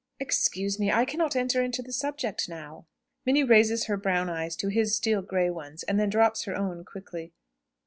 "Excuse me; I cannot enter into the subject now." Minnie raises her brown eyes to his steel grey ones, and then drops her own quickly.